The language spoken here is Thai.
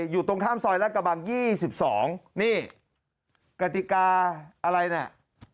อยู่ตรงข้ามซอยรากบัง๒๒นี้กติกาอะไรนะล่ะ